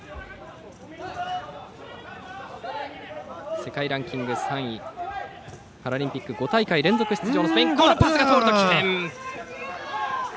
世界ランキング３位パラリンピック５大会連続出場のスペイン。